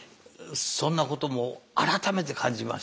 そんなことも改めて感じました。